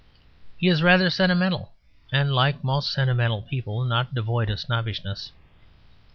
He is rather sentimental; and, like most sentimental people, not devoid of snobbishness.